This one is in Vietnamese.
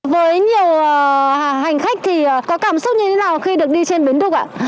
với nhiều hành khách thì có cảm xúc như thế nào khi được đi trên bến đục ạ